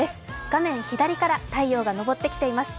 画面左から太陽が昇ってきています。